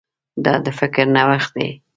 دا د فکر نوښت دی.